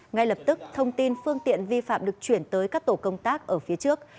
ngay lập tức thông tin phương tiện vi phạm được chuyển tới các tổ công tác ở phía trước